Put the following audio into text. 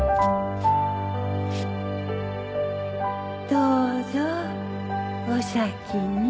どうぞお先に